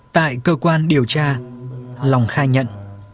tại cơ quan điều tra lòng khai nhận